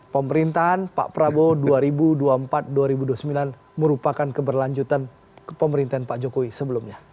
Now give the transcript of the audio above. pemerintahan pak prabowo dua ribu dua puluh empat dua ribu dua puluh sembilan merupakan keberlanjutan pemerintahan pak jokowi sebelumnya